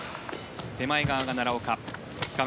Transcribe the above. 手前側が奈良岡画面